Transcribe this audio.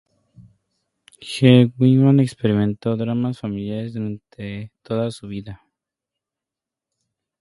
Hemingway experimentó dramas familiares durante toda su vida.